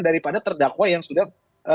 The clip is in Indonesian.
daripada terdakwa yang sudah